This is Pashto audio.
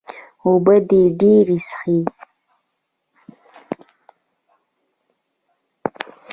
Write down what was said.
اوبۀ دې ډېرې څښي